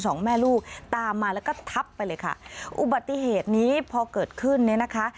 สองแม่ลูกตามมาแล้วก็ทับไปเลยค่ะอุบัติเหตุนี้พอเกิดขึ้นเนี่ยนะคะ